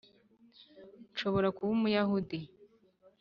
nshobora kuba umuyahudi.